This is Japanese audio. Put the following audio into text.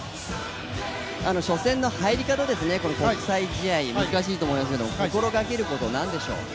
初戦の入り方ですね、国際試合難しいと思いますけど心がけること、なんでしょう？